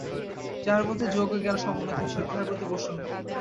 যাঁহার মধ্যে যোগ ও জ্ঞান সমন্বিত, ঈশ্বর তাঁহার প্রতি প্রসন্ন।